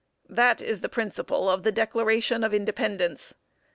That is the principle of the declaration of independence.